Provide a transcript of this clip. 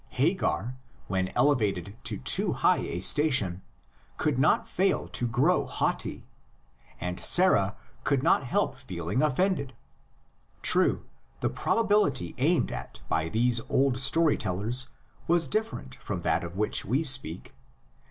Hagar, when elevated to too high station, could not fail to grow haughty; and Sarah could not help feeling offended. True, the probability aimed at by these old story tellers was different from that of which we speak.